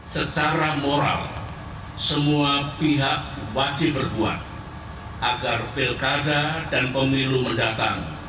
secara moral semua pihak wajib berbuat agar pilkada dan pemilu mendatang